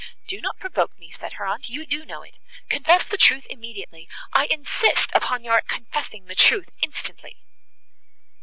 "Do not provoke me," said her aunt; "you do know it, confess the truth immediately. I insist upon your confessing the truth instantly."